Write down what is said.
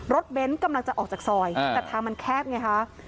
รถเบนต์กำลังจะออกจากซอยเออแต่ทางมันแคบไงฮะ